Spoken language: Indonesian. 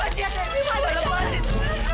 satria masih dimana